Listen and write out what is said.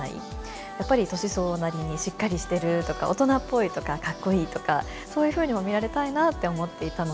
やっぱり年相応なりにしっかりしてるとか大人っぽいとかかっこいいとかそういうふうにも見られたいなって思っていたので。